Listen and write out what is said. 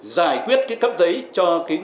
giải quyết cái cấp giấy cho